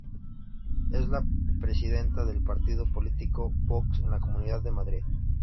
Es la presidenta del partido político Vox en la Comunidad de Madrid.